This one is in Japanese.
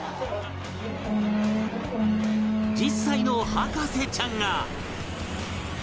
１０歳の博士ちゃんが